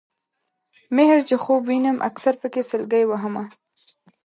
مِهر چې خوب وینم اکثر پکې سلګۍ وهمه